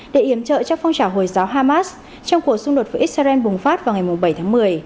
để yếm trợ cho phong trào hồi giáo hamas trong cuộc xung đột với israel bùng phát vào ngày bảy tháng một mươi